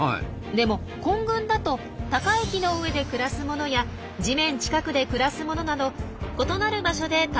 でも混群だと高い木の上で暮らすものや地面近くで暮らすものなど異なる場所で食べ物を探す鳥たちが一緒になります。